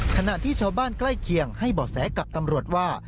ขณะที่ชาวบ้านใกล้เคียงให้บ่อแสกับตำรวจว่า